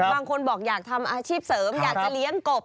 บางคนบอกอยากทำอาชีพเสริมอยากจะเลี้ยงกบ